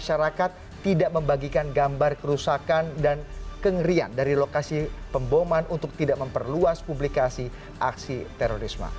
masyarakat tidak membagikan gambar kerusakan dan kengerian dari lokasi pemboman untuk tidak memperluas publikasi aksi terorisme